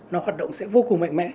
nó hoạt động sẽ vô cùng mạnh mẽ